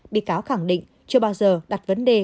bị cáo khẳng định chưa bao giờ đặt vấn đề